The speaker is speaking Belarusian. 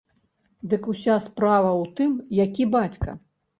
Дык уся справа ў тым, які бацька.